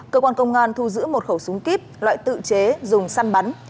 cơ quan công an thu giữ một khẩu súng kíp loại tự chế dùng săn bắn